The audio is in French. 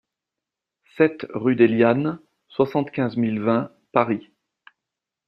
sept rue des Lyanes, soixante-quinze mille vingt Paris